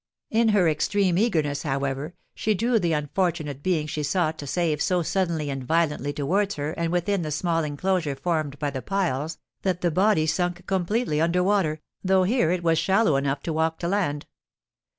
In her extreme eagerness, however, she drew the unfortunate being she sought to save so suddenly and violently towards herself and within the small enclosure formed by the piles, that the body sunk completely under water, though here it was shallow enough to walk to land.